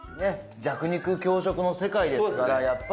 弱肉強食の世界ですからやっぱり。